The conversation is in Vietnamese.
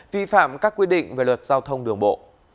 vi phạm các quy định về luật giao thông đường bộ